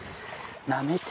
なめて。